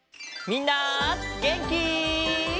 みんなげんき？